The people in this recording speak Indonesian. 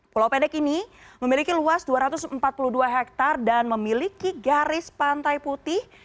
pulau pendek ini memiliki luas dua ratus empat puluh dua hektare dan memiliki garis pantai putih